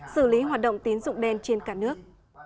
xử lý hoạt động tín dụng đen trên cả nước